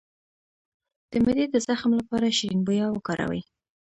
د معدې د زخم لپاره شیرین بویه وکاروئ